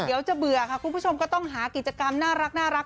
เดี๋ยวจะเบื่อค่ะคุณผู้ชมก็ต้องหากิจกรรมน่ารัก